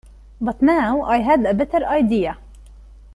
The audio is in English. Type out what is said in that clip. But now I had a better idea.